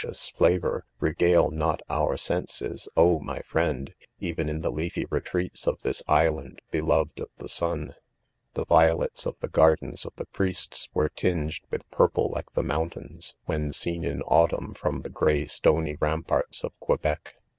ujs flavor, regale mot our senses, oh, my friend, even in the leafy retreats of this .island beloved of the sun !.. VThe; viplets^of the.; gar dens of. the priests,, were tingedWrth purple like: j the mountains, when seen iri autumn from the gray stony ramparts ' of Quebec.